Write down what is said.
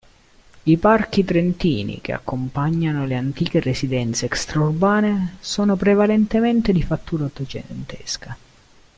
I parchi trentini che accompagnano le antiche residenze extraurbane sono prevalentemente di fattura ottocentesca.